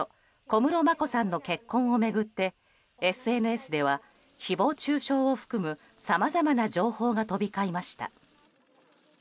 小室眞子さんの結婚を巡ってＳＮＳでは誹謗中傷を含むさまざまな情報が飛び交いました。